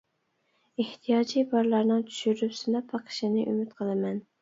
ئېھتىياجى بارلارنىڭ چۈشۈرۈپ سىناپ بېقىشىنى ئۈمىد قىلىمەن.